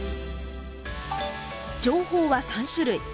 情報は３種類。